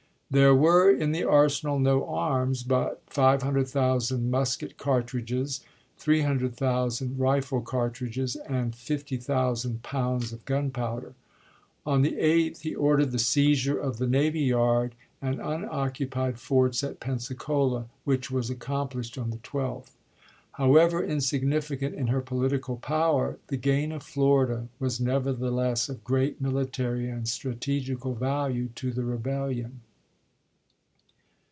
There were, in the arsenal, no arms, but 500,000 musket cartridges, 300,000 rifle cartridges, and 50,000 pounds of gunpowder. On the 8th he ordered the seizure of the navy yard and unoc cupied forts at Pensacola, which was accomplished on the 12th. However insignificant in her political power, the gain of Florida was nevertheless of great military and strategical value to the rebellion.